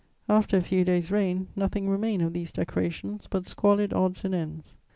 After a few days' rain, nothing remained of these decorations but squalid odds and ends.